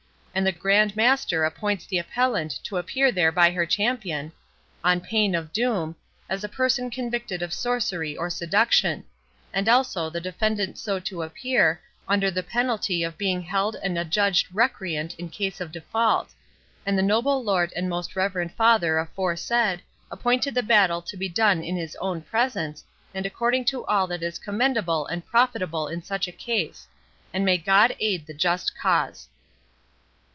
And the Grand Master appoints the appellant to appear there by her champion, on pain of doom, as a person convicted of sorcery or seduction; and also the defendant so to appear, under the penalty of being held and adjudged recreant in case of default; and the noble Lord and most reverend Father aforesaid appointed the battle to be done in his own presence, and according to all that is commendable and profitable in such a case. And may God aid the just cause!"